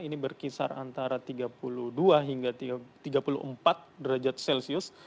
ini berkisar antara tiga puluh dua hingga tiga puluh empat derajat celcius